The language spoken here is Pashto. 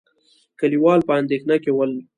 کليوال په اندېښنه کې ول.